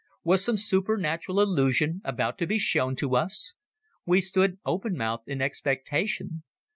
Was some supernatural illusion about to be shown us? We stood open mouthed in expectation.